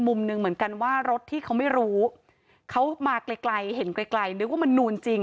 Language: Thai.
มุมหนึ่งเหมือนกันว่ารถที่เขาไม่รู้เขามาไกลไกลเห็นไกลไกลนึกว่ามันนูนจริง